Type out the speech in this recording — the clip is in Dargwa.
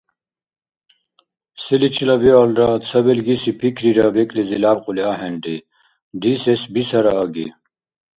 Селичила биалра ца белгиси пикрира бекӀлизи лябкьули ахӀенри. Рисес бисара аги.